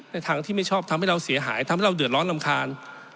ทางที่ไม่ชอบทำให้เราเสียหายทำให้เราเดือดร้อนรำคาญ